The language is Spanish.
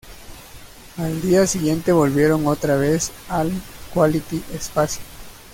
Al día siguiente volvieron otra vez al Quality Espacio.